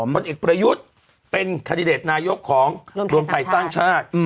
ผลเอกประยุทธ์เป็นคาดิเดตนายกของรวมไทยสร้างชาติ